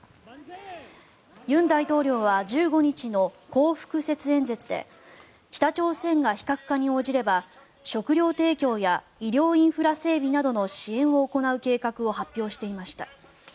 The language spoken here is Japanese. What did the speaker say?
尹大統領は１５日の光復節演説で北朝鮮が非核化に応じれば食糧提供や医療インフラ整備などの支援を行う計画を発表していました。